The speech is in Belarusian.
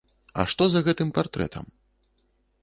А што за гэтым партрэтам?